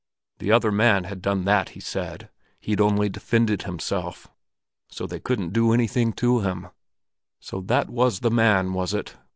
The other man had done that, he said; he'd only defended himself. So they couldn't do anything to him. So that was the man, was it!